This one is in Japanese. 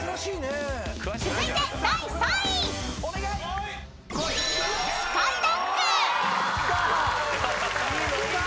［続いて第３位］きた！